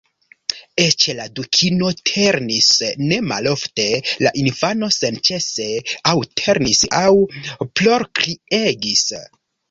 Eĉ la Dukino ternis ne malofte; la infano senĉese aŭ ternis aŭ plorkriegis.